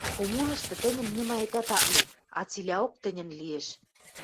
Коммунышты тӹньӹн нимаэтӓт ак ли, а цилӓок тӹньӹн лиэш...